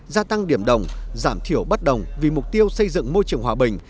gia tăng điểm đồng giảm thiểu bất đồng vì mục tiêu xây dựng môi trường hòa bình